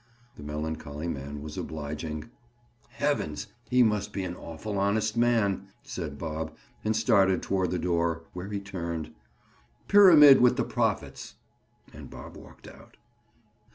The melancholy man was obliging. "Heavens! He must be an awful honest man!" said Bob and started toward the door, where he turned. "Pyramid with the profits." And Bob walked out.